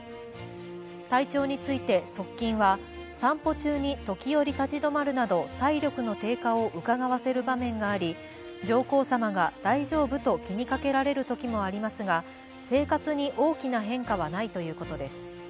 体調について側近は、散歩中に時折立ち止まるなど体力の低下をうかがわせる場面があり、上皇さまが大丈夫と気にかけられるときもありますが生活に大きな変化はないということです。